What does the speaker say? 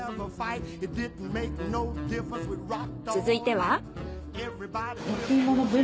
続いては。